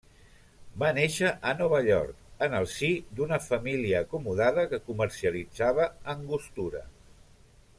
Va néixer a Nova York, en el si d'una família acomodada que comercialitzava angostura.